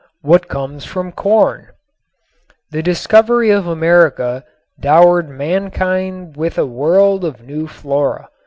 X WHAT COMES FROM CORN The discovery of America dowered mankind with a world of new flora.